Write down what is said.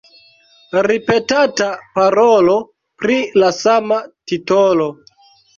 Ripetata parolo pri la sama titolo.